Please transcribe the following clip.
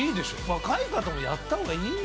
若い方もやった方がいいんですよ。